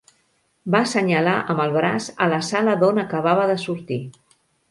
Va assenyalar amb el braç a la sala d'on acabava de sortir.